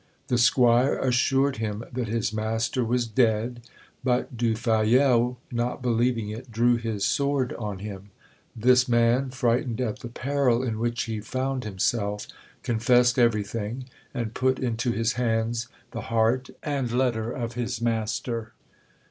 The squire assured him that his master was dead; but Du Fayel not believing it, drew his sword on him. This man, frightened at the peril in which he found himself, confessed everything; and put into his hands the heart and letter of his master.